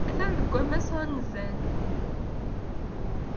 Atan deg wammas anezzan.